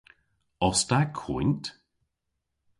Os ta koynt?